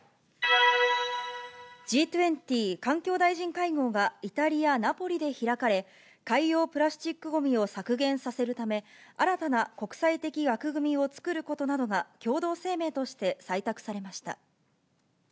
Ｇ２０環境大臣会合がイタリア・ナポリで開かれ、海洋プラスチックごみを削減させるため、新たな国際的枠組みを作ることなどが共同声明として採択されました。